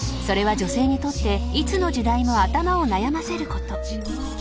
［それは女性にとっていつの時代も頭を悩ませること］